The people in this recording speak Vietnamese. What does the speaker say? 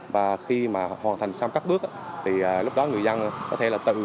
và khi mà hoàn thành xong các bước thì lúc đó người dân có thể là từng